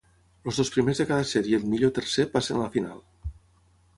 Els dos primers de cada sèrie i el millor tercer passen a la final.